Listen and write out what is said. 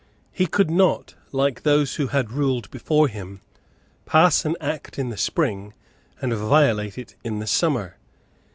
He could not, like those who had ruled before him, pass an Act in the spring and violate it in the summer.